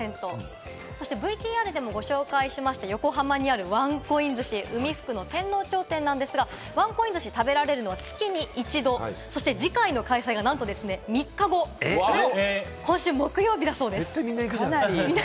ＶＴＲでもご紹介しました、横浜にあるワンコイン寿司・海福天王町店なんですが、ワンコイン寿司を食べられるのは月に一度、そして次回の開催がなんと３日後、今週木曜日だそうです。